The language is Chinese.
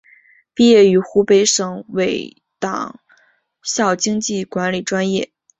毕业于湖北省委党校经济管理专业。